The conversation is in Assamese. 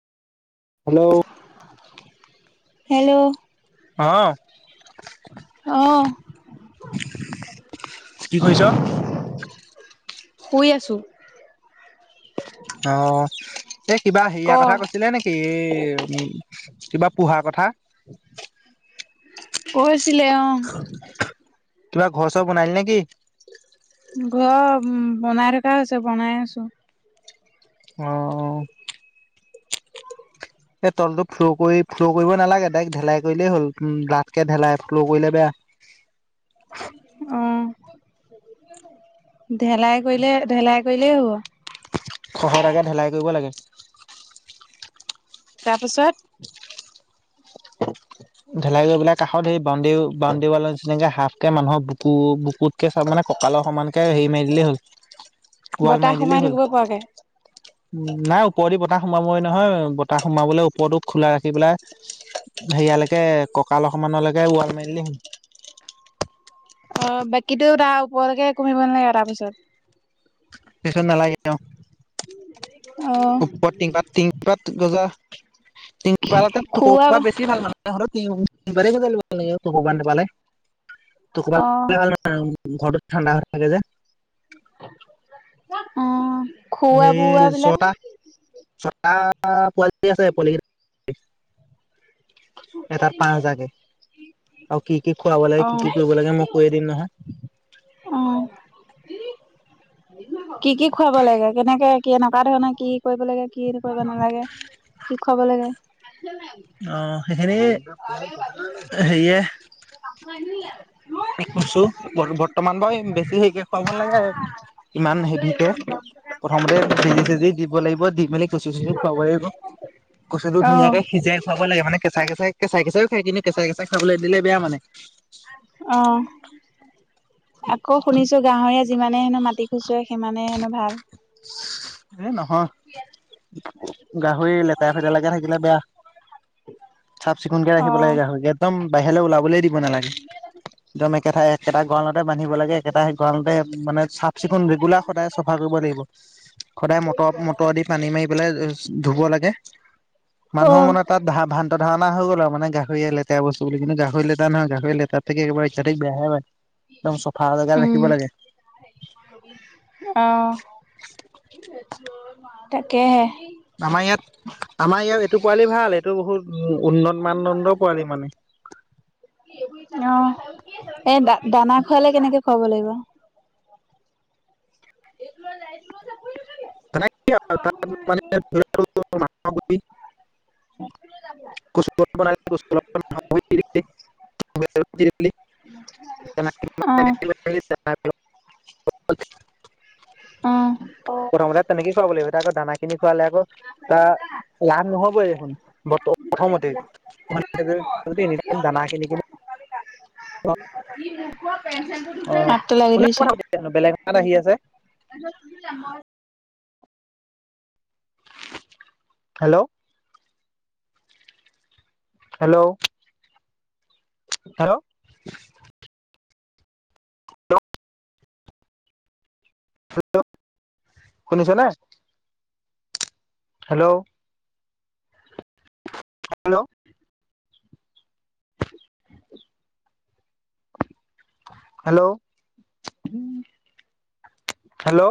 হেল্ল'। হেল্ল'। অ। আহ কি কৰিছ। শুই আছোঁ। অঁ এই কিবা ক হেইয়া কথা কৈছিলে নি? এ--ওঁ, কিবা পোঁহা কথা। কৈছিলে অঁ। কিবা ঘৰ-চৰ বনালি নেকি? ঘৰ বনাই থকা হৈছে। বনাই আছোঁ। অঁ অঁ। এই তলটো ফ্ল' কৰি ফ্ল' কৰিব নালাগে। ডাৰেক্ট ঢেলাই কৰিলেই হ'ল। উম, ডাঠকে ঢেলাই, ফ্ল' কৰিলে বেয়া। অঁ, ঢেলাই কৰিলে, ঢেলাই কৰিলেই হ'ব? খহতাকে ঢেলাই কৰিব লাগে। তাৰপিছত? ঢেলাই কৰি পেলাই কাষত হেই বাউণ্ডেৰী ও বাউণ্ডেৰী ওৱালৰ নিচিনাকে হাফকে মানুহক বুকু বুকুতকে চব মানে ক্‌ ককালৰ সমানকে হেৰি মাৰি দিলেই হ'ল ওৱাল বতাহ মাৰি সোমাই দিলেই হ'ল। থাকিব পৰাকে উম, নাই ওপৰেদি বতাহ সোমাবই নহয়। বতাহ সোমাবলে ওপৰটোত খোলা ৰাখি পেলাই হেইয়ালেকে, ককাল সমানলেকে ওৱাল মাৰি দিলেই হ'ল। অ'! বাকীতো, তাৰ ওপৰলৈকে একো কৰিব নালাগে তাৰপিছত? পিছত নালাগে। অ'! [unintelligible] ওপৰত টিংপাত টিংপাত গজা টিংপাতকে, খুৱাব টকৌপাত বেছি ভাল মানে। হ'লো টিংপাতে গজাল দিব লাগিব, টকৌপাত নাপালে। টকৌ পাত নাপালে উম! ঘৰটো ঠাণ্ডা হৈ থাকে যে। অ'! সেই খোৱা-বোৱা বিলাক? ছটা ছটা পোৱালি আছে। পোৱালিকেইটা [unintelligible] এটাত পাঁচ হেজাৰকে। আৰু কি কি খুৱাব অ লাগে, কি কি কৰিব লাগে, মই কৈয়ে দিম নহয়। অ'! কি কি খুৱাব লাগে? কেনেকে, কেনকা ধৰণৰ, কি কৰিব লাগে, কি কৰিব নালাগে? কি খোৱাব লাগে? অ'! সেইখিনি সেইয়ে তোৰ কাপোৰ আনিলিগে? এইক কৈছো! বৰ্ত, বৰ্তমান বাৰু বেছি হেৰিকে খোৱাব নালাগে, ইমান হেভিকে। প্ৰথমতে, বেজি-চেজি দিব লাগিব। দি মেলি কচ- চচু খোৱাব লাগিব। কচুটো আহ ধুনীয়াকে সিজাই খোৱাব লাগে। মানে, কেঁচাই- কেঁচাই, কেঁচাই- কেঁচাইও খাই। কিন্তু, কেঁচাই-কেঁচাই খাবলে দিলে, বেয়া মানে। অ'! আকৌ শুনিছোঁ! গাহৰিয়ে যিমানে হেনোঁ, মাটি খুচৰে, সিমানে হেনোঁ ভাল। এ, নহয়। গাহৰি লে লেতেৰা- ফেতেৰা লেকে থাকিলে বেয়া। চাফ -চিকুণকে ৰাখিব লাগে, অ', গাহৰিক। একদম বাহিৰলে ওলাবলে দি দিব নালাগে। একদম একেঠাই, একেটা গড়ালতে বান্ধিব লাগে। একেটা গড়ালতে মানে চাফ -চিকুণ, ৰেগুলাৰ সদায় চফা কৰিব লাগিব। সদায় মট, মটৰ দি পানী মাৰি পেলাই ধুব লাগে। মানুহৰ অ'। মনত তাত ধা, ভান্ত ধাৰণা হৈ গ'ল আৰু। মানে, গাহৰিয়ে লেতেৰা বস্তু বুলি কেনে, গাহৰি লেতেৰা নহয়, গাহৰি লেতেৰা থাকে, একেবাৰে ই বেয়াহে পায়। একদম চফা জেগাত উম, ৰাখিব লাগে। অ'! তাকেহে। আমাৰ ইয়াত, আমাৰ ইয়াত এইটো পোৱালি ভাল। এইটো বহুত, উন্নত মানদণ্ড পোৱালি মানে। অ'! এ, দা, দানা খোৱালে, কেনেকে খোৱাব লাগিব? এইটো লৈ যা, এইটো লৈ যা! পৰিলে। [unintelligible] [unintelligible] [unintelligible] অ'! [unintelligible] উম! প্ৰথমতে, তেনেকে খুৱাব লাগিব। আকৌ, দানাখিনি খুৱালে, আকৌ তাৰ [unintelligible] লাভ নহ'ব দেখোন, প্ৰথমতে। তহঁতি যদি, দানা কিনি- কিনি [unintelligible] অ'! হাতটো লাগি কোনে ধৰিছে। কথা আছেনো? বেলেগ মাত আহি আছে। [unintelligible] হেল্ল'! হেল্ল'! হেল্ল'! [unintelligible] শুনিছনে? হেল্ল'! হেল্ল'! হেল্ল'-হেল্ল',